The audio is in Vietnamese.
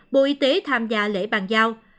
bộ y tế tham gia lễ bàn giao